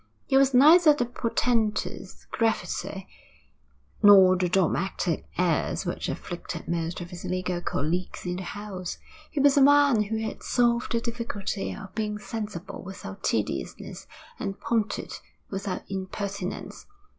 He had neither the portentous gravity nor the dogmatic airs which afflicted most of his legal colleagues in the house. He was a man who had solved the difficulty of being sensible without tediousness and pointed without impertinence.